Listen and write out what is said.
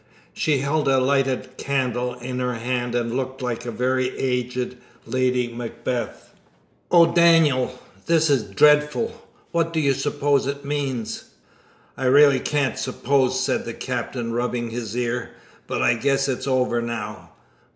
She held a lighted candle in her hand and looked like a very aged Lady Macbeth. "O Dan'el, this is dreadful! What do you suppose it means?" "I really can't suppose," said the Captain, rubbing his ear; "but I guess it's over now."